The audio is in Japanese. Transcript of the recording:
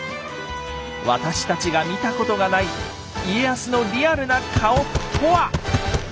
私たちが見たことがない家康のリアルな顔とは？